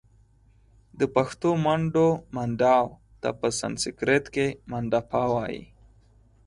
د پښتو منډو Mandaw ته په سنسیکرت کښې Mandapa وايي